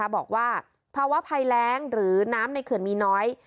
บอกว่าภาวะภัยแรงหรือน้ำในเขื่อนมีน้อย